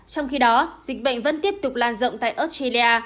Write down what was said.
trong khi đó dịch bệnh vẫn tiếp tục lan rộng tại australia